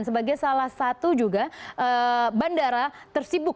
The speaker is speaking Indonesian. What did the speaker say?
sebagai salah satu juga bandara tersibuk